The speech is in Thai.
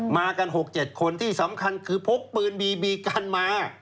มากัน๖๗คนที่สำคัญคือพกปืนบีบีกันมา